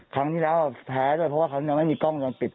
ครั้งนี้แล้วแพ้ด้วยเพราะว่าครั้งนี้ไม่มีกล้องจันทร์ปิด